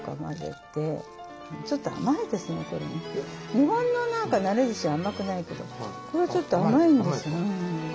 日本のなれずし甘くないけどこれはちょっと甘いんです。